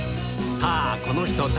さあ、この人誰？